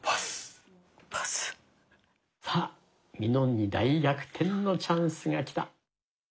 さあみのんに大逆転のチャンスが来た。